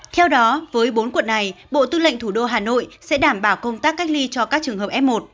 theo đó với bốn quận này bộ tư lệnh thủ đô hà nội sẽ đảm bảo công tác cách ly cho các trường hợp f một